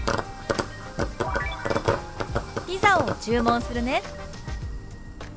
「ピザを注文するね」。